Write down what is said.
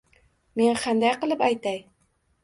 Men qanday qilib aytay?